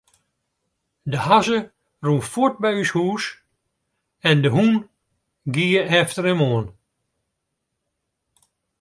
De hazze rûn fuort by ús hús en de hûn gie efter him oan.